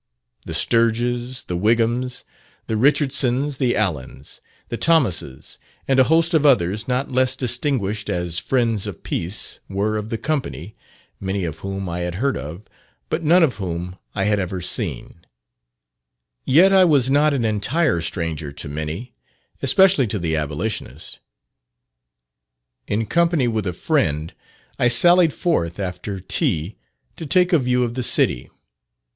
The Sturges, the Wighams, the Richardsons, the Allens, the Thomases, and a host of others not less distinguished as friends of peace, were of the company many of whom I had heard of, but none of whom I had ever seen; yet I was not an entire stranger to many, especially to the abolitionists. In company with a friend, I sallied forth after tea to take a view of the city.